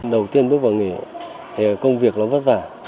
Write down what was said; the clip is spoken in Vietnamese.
đầu tiên bước vào nghỉ thì công việc nó vất vả